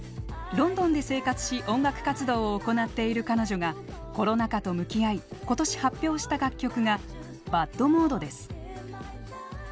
ロンドンで生活し音楽活動を行っている彼女がコロナ禍と向き合い今年発表した楽曲が「ＢＡＤモード」です。